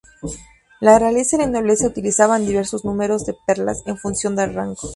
La realeza y la nobleza utilizaban diversos números de perlas en función del rango.